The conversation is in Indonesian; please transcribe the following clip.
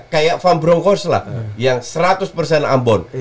kayak van bronckhorst lah yang seratus ambon